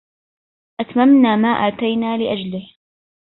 أتممنا ما أتينا لأجله.